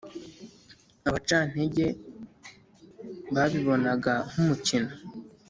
abacantege babibonaga nk’umukino